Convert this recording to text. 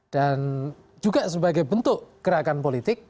dan juga sebagai bentuk gerakan politik